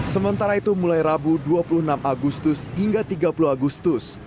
sementara itu mulai rabu dua puluh enam agustus hingga tiga puluh agustus